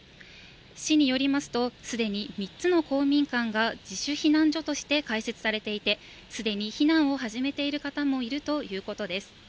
市によりますと、すでに３つの公民館が自主避難所として開設されていて、すでに避難を始めている方もいるということです。